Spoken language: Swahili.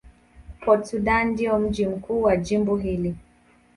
Port Sudan ndio mji mkuu wa jimbo hili.